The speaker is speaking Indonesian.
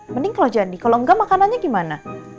mending kalau jadi kalau enggak makanannya gimana